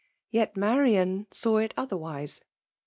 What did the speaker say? Yet Marian saw it otherwise!